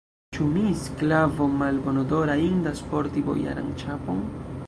Ĉu mi, sklavo malbonodora, indas porti bojaran ĉapon?